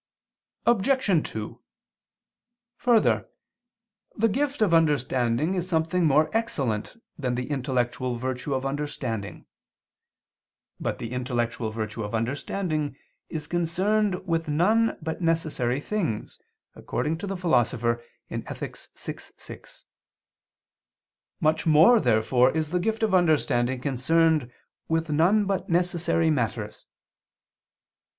Obj. 2: Further, the gift of understanding is something more excellent than the intellectual virtue of understanding. But the intellectual virtue of understanding is concerned with none but necessary things, according to the Philosopher (Ethic. vi, 6). Much more, therefore, is the gift of understanding concerned with none but necessary matters.